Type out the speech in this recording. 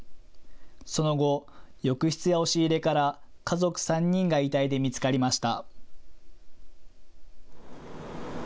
その後、浴室や押し入れから家族３人が遺体で見つかりました。